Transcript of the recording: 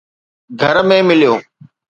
گهر ۾ مليو